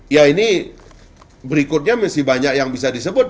ya ini berikutnya mesti banyak yang bisa disebut